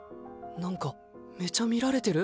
なんかめちゃ見られてる？